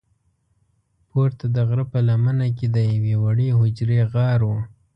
پورته د غره په لمنه کې د یوې وړې حجرې غار و.